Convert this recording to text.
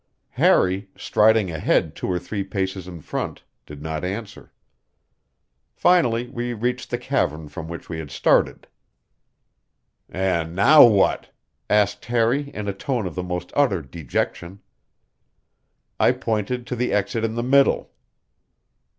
Harry, striding ahead two or three paces in front, did not answer. Finally we reached the cavern from which we had started. "And now what?" asked Harry in a tone of the most utter dejection. I pointed to the exit in the middle.